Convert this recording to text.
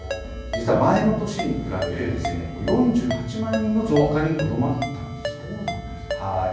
実は前の年に比べて４８万人の増加にとどまったんです。